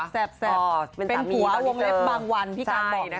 แซ่บเป็นผัววงเล็กบางวันพี่กัลบอกอย่างนี้